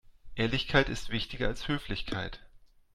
Ehrlichkeit ist wichtiger als Höflichkeit.